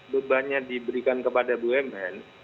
bebannya diberikan kepada bumn